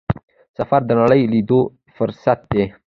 سفر د نړۍ لیدلو فرصت دی.